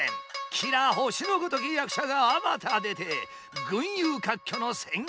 綺羅星のごとき役者があまた出て群雄割拠の戦国時代。